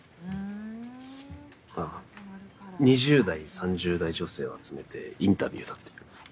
あ２０代３０代女性を集めてインタビューだって。